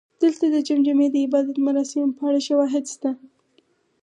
دلته د جمجمې د عبادت مراسمو په اړه شواهد شته